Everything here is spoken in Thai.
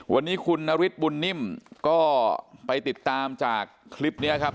วันนี้คุณนฤทธิบุญนิ่มก็ไปติดตามจากคลิปนี้ครับ